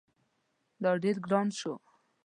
دا ډیر ګران شو